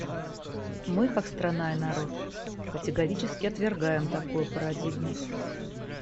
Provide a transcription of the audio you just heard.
Мы, как страна и народ, категорически отвергаем такую парадигму.